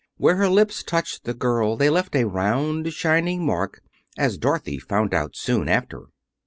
Where her lips touched the girl they left a round, shining mark, as Dorothy found out soon after.